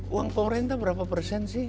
uang pemerintah berapa persen sih